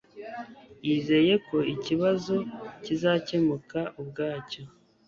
yizeye ko ikibazo kizakemuka ubwacyo.